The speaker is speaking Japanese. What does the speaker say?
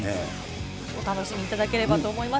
お楽しみいただければと思います。